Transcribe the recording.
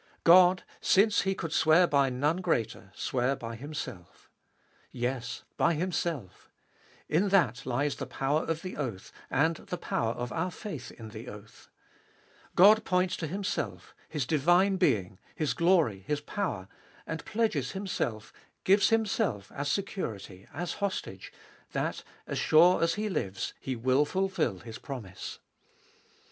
God, since He could swear by none greater, sware by Himself. Yes. By Himself ! in that lies the power of the oath, and the power of our faith in our oath. God points to Himself— His divine Being, His glory, His power, and pledges Himself, gives Himself as security, as hostage, that, as sure as He lives, He will fulfil His promise.